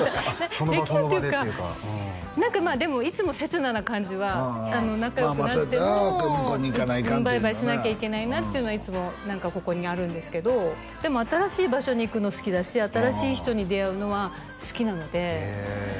できるっていうか何かまあでもいつも刹那な感じは仲良くなってもバイバイしなきゃいけないなっていうのはいつも何かここにあるんですけどでも新しい場所に行くの好きだし新しい人に出会うのは好きなのでへえ